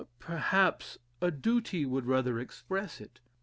"Perhaps a duty would rather express it!"